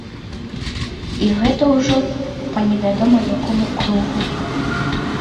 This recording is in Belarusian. І гэта ўжо па невядома якому кругу.